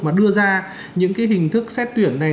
mà đưa ra những cái hình thức xét tuyển này